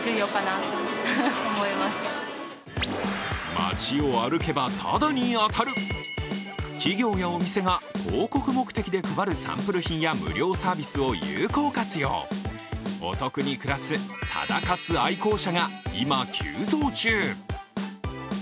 街を歩けばタダに当たる、企業やお店が広告目的で配るサンプル品や無料サービスを有効活用、お得に暮らすタダ活愛好者が今、急増中。